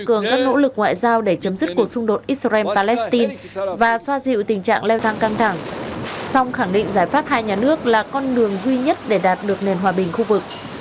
các nỗ lực ngoại giao để chấm dứt cuộc xung đột israel palestine và xoa dịu tình trạng leo thang căng thẳng song khẳng định giải pháp hai nhà nước là con đường duy nhất để đạt được nền hòa bình khu vực